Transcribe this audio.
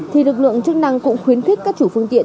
thì lực lượng chức năng cũng khuyến khích các chủ phương tiện